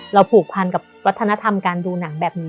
ผูกพันกับวัฒนธรรมการดูหนังแบบนี้